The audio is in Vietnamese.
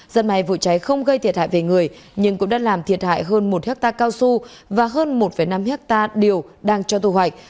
dân may vụ cháy không gây thiệt hại về người nhưng cũng đã làm thiệt hại hơn một hectare cao su và hơn một năm hectare điều đang cho thu hoạch